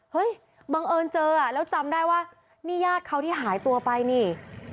บังเอิญเจออ่ะแล้วจำได้ว่านี่ญาติเขาที่หายตัวไปนี่